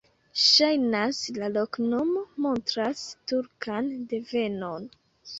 Ŝajnas, la loknomo montras turkan devenon.